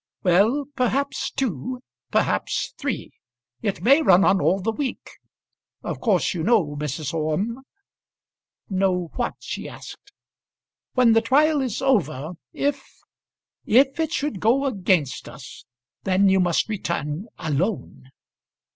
"Well, perhaps two, perhaps three. It may run on all the week. Of course you know, Mrs. Orme " "Know what?" she asked. "When the trial is over, if if it should go against us, then you must return alone."